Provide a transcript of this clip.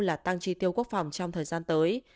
là tăng tri tiêu quốc phòng trong thời gian tới